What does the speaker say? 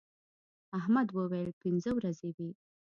احمد وويل: پینځه ورځې وې.